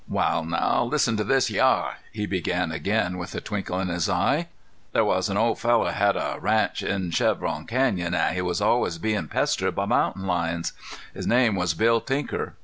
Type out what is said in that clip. "Wal now, listen to this hyar," he began again, with a twinkle in his eye. "Thar was an old fellar had a ranch in Chevelon Canyon, an' he was always bein' pestered by mountain lions. His name was Bill Tinker.